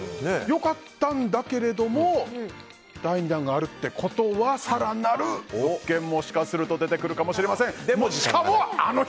良かったんだけれども第２弾があるってことは更なる物件がもしかすると出てくるかもしれません。